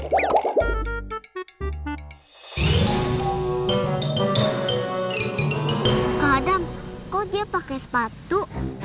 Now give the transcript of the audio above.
kadang kadang kok dia pakai sepatu